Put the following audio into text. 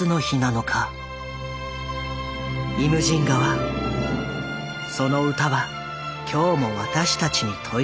「イムジン河」その歌は今日も私たちに問いかける。